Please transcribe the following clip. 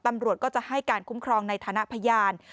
ตำรวจก็จะให้การคุ้มครองในฐานะพยาน